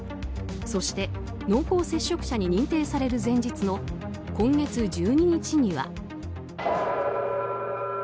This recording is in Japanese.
そして、濃厚接触者に認定される前日の今月１２日には。